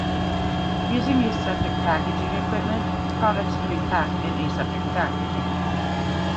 Using aseptic packaging equipment, products can be packed in aseptic packaging.